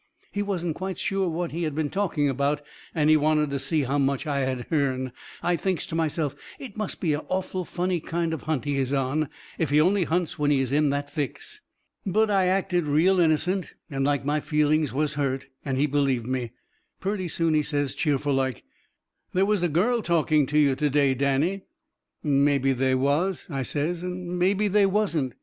He wasn't quite sure what he had been talking about, and he wanted to see how much I had hearn. I thinks to myself it must be a awful funny kind of hunt he is on, if he only hunts when he is in that fix. But I acted real innocent and like my feelings was hurt, and he believed me. Purty soon he says, cheerful like: "There was a girl talking to you to day, Danny." "Mebby they was," I says, "and mebby they wasn't."